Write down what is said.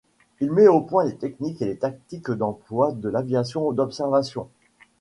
Il met au point les techniques et les tactiques d'emploi de l'aviation d'observation.